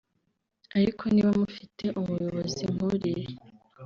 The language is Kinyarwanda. ariko niba mufite umuyobozi nk’uriya